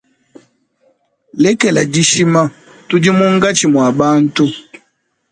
Lekela dishima tudi munkatshi mua bantu.